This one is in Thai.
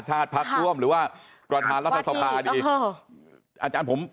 ประชาชาติภักดิ์จุดร่วมหรือว่าบรรทีละทสภา